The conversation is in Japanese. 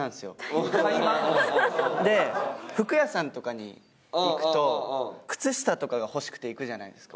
で服屋さんとかに行くと靴下とかが欲しくて行くじゃないですか。